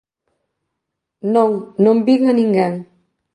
Non, non vin a ninguén.